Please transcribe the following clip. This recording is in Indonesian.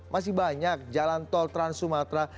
masih banyak jalan tol trans sumatra